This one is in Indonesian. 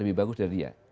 lebih bagus dari dia